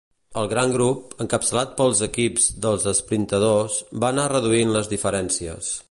El gran grup, encapçalat pels equips dels esprintadors, va anar reduint les diferències.